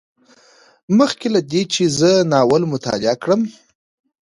مخکې له دې چې زه ناول مطالعه کړم